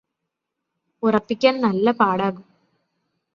ഉറപ്പിക്കാന് നല്ല പാടാകും